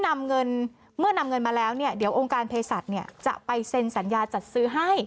เมื่อนำเงินมาแล้วโรงการเพศัตริย์จะไปเซ็นสัญญาจัดซื้อให้